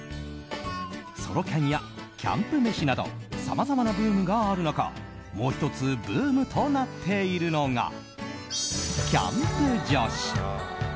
ソロキャンやキャンプ飯などさまざまなブームがある中もう１つブームとなっているのがキャンプ女子。